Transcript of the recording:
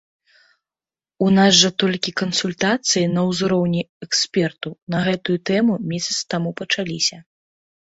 У нас жа толькі кансультацыі на ўзроўні экспертаў на гэтую тэму месяц таму пачаліся.